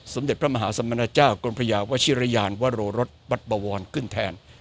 สมเด็จพระมหาสมณเจ้ากรมพระยาวชิรยานวโรรสวัดบวรขึ้นแทน